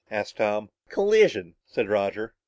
asked Tom. "Collision!" said Roger.